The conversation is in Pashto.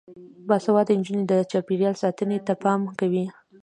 باسواده نجونې د چاپیریال ساتنې ته پام کوي.